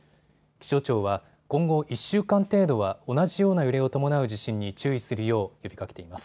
気象庁は今後１週間程度は同じような揺れを伴う地震に注意するよう呼びかけています。